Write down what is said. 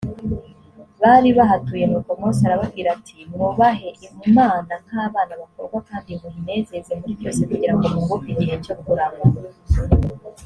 bari bahatuye nuko mose arababwira ati mwubahe imana nkabana bakundwa kandi muyinezeze muri byose kugirango mwunguke igihe cyo kurama